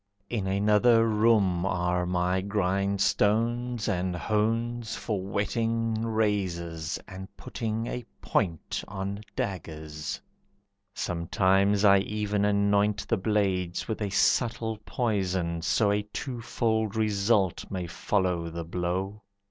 In another room are my grindstones and hones, For whetting razors and putting a point On daggers, sometimes I even anoint The blades with a subtle poison, so A twofold result may follow the blow.